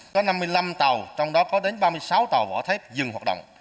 có năm mươi năm tàu trong đó có đến ba mươi sáu tàu vỏ thép dừng hoạt động